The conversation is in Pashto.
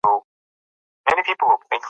ماشوم په غېږ کې پروت و او مور یې پښه خوځوله.